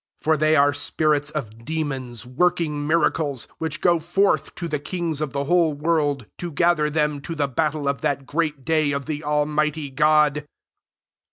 14 For they are spirits of demons, working mir acles, [which go forth] to the kings of the whole world, to gather them to the battle of [that] great day of the Almighty God.